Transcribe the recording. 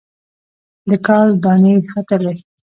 د کال دانې ختلي